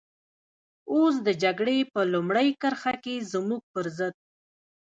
اوس د جګړې په لومړۍ کرښه کې زموږ پر ضد.